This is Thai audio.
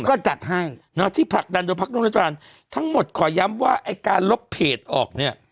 ก็จัดให้เนอะที่ผลักดันโดยพักร่วมรัฐบาลทั้งหมดขอย้ำว่าไอ้การลบเพจออกเนี่ย